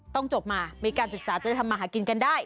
ต้องจบมามีการศึกษาจะทำมาหากินกันได้